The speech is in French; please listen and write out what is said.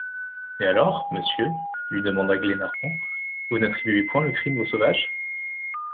Mais alors, monsieur, lui demanda Glenarvan, vous n’attribuez point le crime aux sauvages ?